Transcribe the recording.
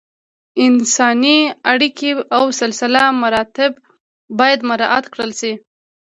انساني اړیکې او سلسله مراتب باید مراعت کړل شي.